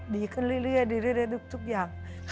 ดีขึ้นเรื่อยทุกอย่าง